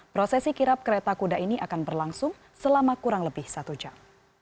prosesi kirap kereta kuda ini akan berlangsung selama kurang lebih satu jam